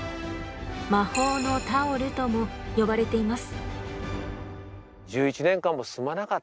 魔法のタオルとも呼ばれています。